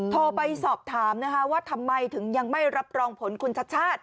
โทรไปสอบถามนะคะว่าทำไมถึงยังไม่รับรองผลคุณชัดชาติ